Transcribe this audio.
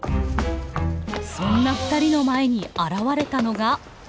そんなふたりの前に現れたのが。